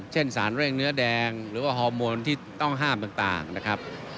เช่นสารเร่งเนื้อแดงหรือว่าฮอร์โมนที่ต้องห้ามต่างนะครับ